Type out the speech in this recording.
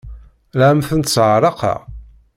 La am-tent-sseɛraqeɣ?